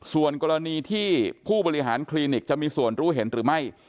ส่วนกรณีที่ผู้บริหารคลินิกจะมีส่วนรู้เห็นหรือไม่